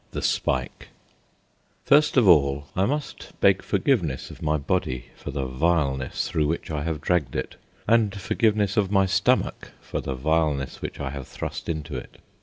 THE SPIKE First of all, I must beg forgiveness of my body for the vileness through which I have dragged it, and forgiveness of my stomach for the vileness which I have thrust into it.